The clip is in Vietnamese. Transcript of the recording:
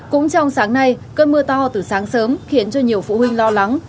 cũng trong sáng nay cơn mưa to từ sáng sớm khiến cho nhiều phụ huynh lo lắng